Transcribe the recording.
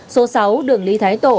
số sáu đường lý thái tổ